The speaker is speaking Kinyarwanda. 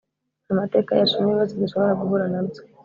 amateka yacu n’ibibazo dushobora guhura na byo